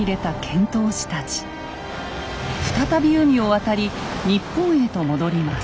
再び海を渡り日本へと戻ります。